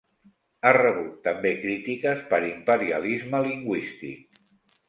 Ha rebut també crítiques per imperialisme lingüístic.